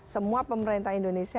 semua pemerintah indonesia